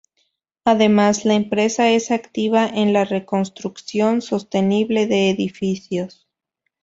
Además, la empresa es activa en la reconstrucción sostenible de edificios.